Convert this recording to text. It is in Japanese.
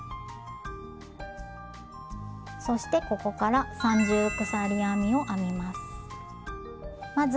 そしてここから三重鎖編みを編みます。